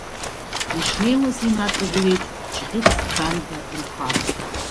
Ишнеиуаз инаҵагылеит Ҷӷьыц Ранба инхара.